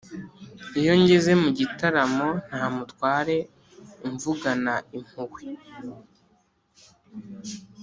Iyo ngeze mu gitaramo nta mutware umvugana impuhwe,